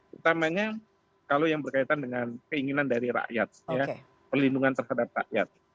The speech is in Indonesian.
pertamanya kalau yang berkaitan dengan keinginan dari rakyat perlindungan terhadap rakyat